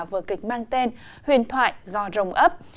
vừa kịch mang tên huyền thoại gò rồng ấp